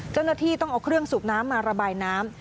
เจ้าหน้าที่ต้องเอาเครื่องสูบน้ำมาระบายน้ำ